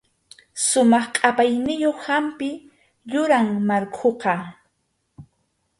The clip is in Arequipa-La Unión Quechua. Sumaq qʼapayniyuq hampi quram markhuqa.